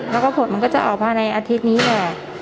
แล้วก็ผลมันก็จะออกมาในอาทิตย์นี้แหละ